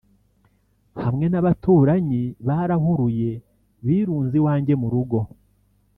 hamwe n’abaturanyi barahuruye birunze iwanjye mu rugo